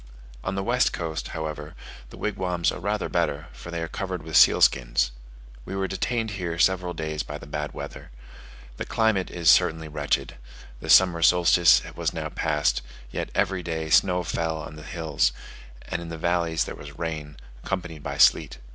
On the west coast, however, the wigwams are rather better, for they are covered with seal skins. We were detained here several days by the bad weather. The climate is certainly wretched: the summer solstice was now passed, yet every day snow fell on the hills, and in the valleys there was rain, accompanied by sleet.